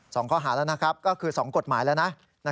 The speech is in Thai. สองข้อหาแล้วก็คือสองกฏหมายแล้วนะ